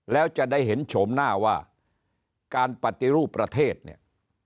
แล้วจะได้เห็นโฉมหน้าว่าการปฏิรูปประเทศเนี่ย